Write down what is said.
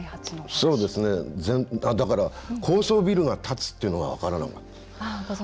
だから高層ビルが建つっていうのが分からなかった。